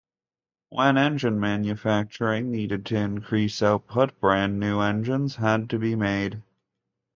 When engine manufacturing needed to increase output, brand new engines had to be made.